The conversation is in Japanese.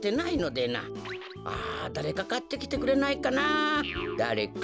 あだれかかってきてくれないかなだれか。